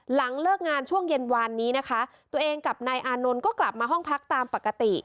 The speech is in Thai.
หลังเลิกงานช่วงเย็นวานนี้นะคะตัวเองกับนายอานนท์ก็กลับมาห้องพักตามปกติ